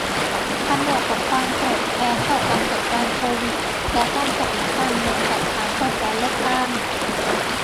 ผนวกกับความโกรธแค้นต่อการจัดการโควิด และการจับนักการเมืองฝ่ายค้านก่อนการเลือกตั้ง